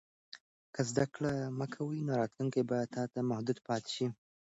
که زده کړه مه کوې، نو راتلونکی به تا ته محدود پاتې شي.